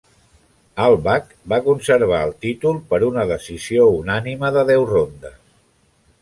Hallback va conservar el títol per una decisió unànime de deu rondes.